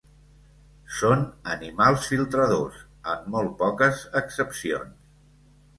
Són animals filtradors, amb molt poques excepcions.